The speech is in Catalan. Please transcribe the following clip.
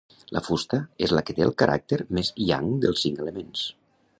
La fusta és la que té el caràcter més yang dels cinc elements.